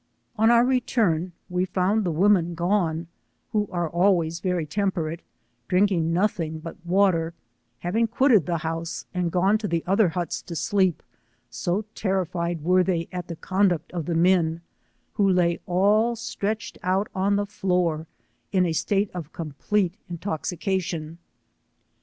On our return we found the women gone, who are always very temperate, drinking nothing but water, having quitted the house and gone to the other huts to sleep, so terrified ^vere they at the conduct of the men, who lay all stretched out on the floor, in a state of complete intoxication.